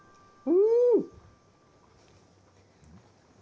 うん。